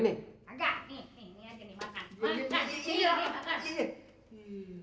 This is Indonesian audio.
nggak nih ini aja nih makan